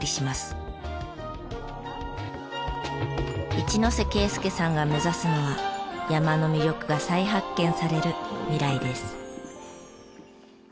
一瀬圭介さんが目指すのは山の魅力が再発見される未来です。